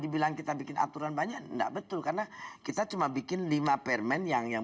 dibilang kita bikin aturan banyak enggak betul karena kita cuma bikin lima permen yang yang